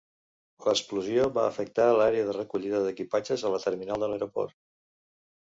L'explosió va afectar l'àrea de recollida d'equipatges a la terminal de l'aeroport.